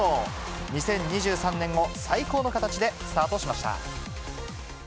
２０２３年を最高の形でスタートしました。